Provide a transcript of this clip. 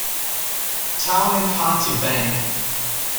Town and County Bank!